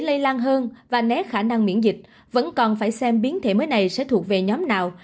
lây lan hơn và né khả năng miễn dịch vẫn còn phải xem biến thể mới này sẽ thuộc về nhóm nào